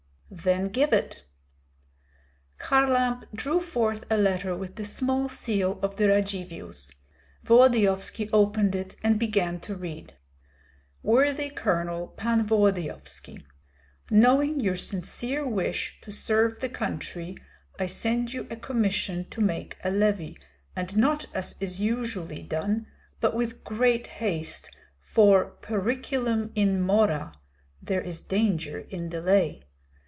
"Then give it." Kharlamp drew forth a letter with the small seal of the Radzivills. Volodyovski opened it and began to read: Worthy Colonel Pan Volodyovski, Knowing your sincere wish to serve the country, I send you a commission to make a levy, and not as is usually done, but with great haste, for periculum in mora (there is danger in delay).